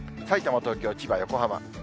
さいたま、東京、千葉、横浜。